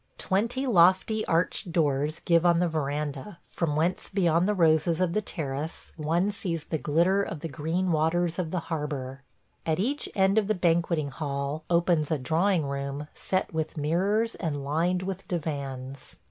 Twenty lofty arched doors give on the veranda, from whence beyond the roses of the terrace one sees the glitter of the green waters of the harbor. At each end of the banqueting hall opens a drawing room set with mirrors and lined with divans.